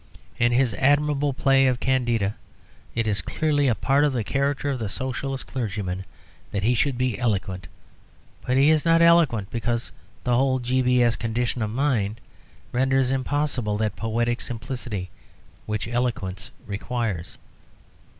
In his admirable play of "Candida" it is clearly a part of the character of the Socialist clergyman that he should be eloquent, but he is not eloquent because the whole "G.B.S." condition of mind renders impossible that poetic simplicity which eloquence requires.